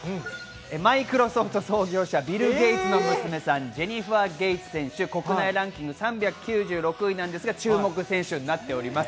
マイクロソフト創業者、ビル・ゲイツの娘さん、ジェニファー・ゲイツ選手、国内ランキング３９６位、注目選手です。